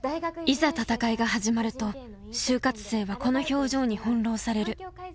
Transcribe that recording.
いざ闘いが始まると就活生はこの表情に翻弄される。